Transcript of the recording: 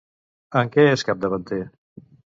En què és capdavanter?